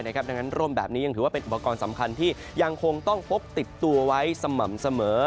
ดังนั้นร่มแบบนี้ยังถือว่าเป็นอุปกรณ์สำคัญที่ยังคงต้องพกติดตัวไว้สม่ำเสมอ